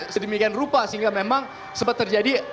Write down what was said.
sedemikian rupa sehingga memang sempat terjadi